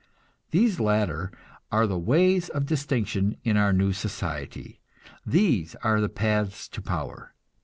These latter are the ways of distinction in our new society; these are the paths to power.